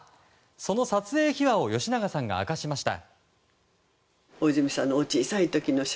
その撮影秘話を吉永さんが明かしました。